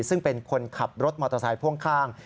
ซึ่งเป็นคนขับรถมอเตอร์ไซค์พ่วงข้าง